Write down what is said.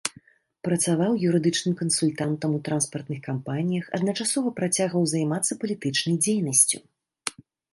Працаваў юрыдычным кансультантам у транспартных кампаніях, адначасова працягваў займацца палітычнай дзейнасцю.